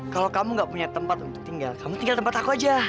kalau kamu gak punya tempat untuk tinggal kamu tinggal tempat aku aja